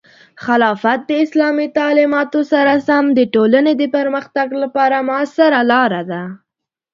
خلافت د اسلامي تعلیماتو سره سم د ټولنې د پرمختګ لپاره مؤثره لاره ده.